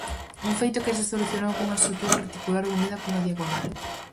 Un feito que se solucionou cunha estrutura reticular unida cunha diagonal.